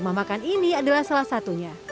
rumah makan ini adalah salah satunya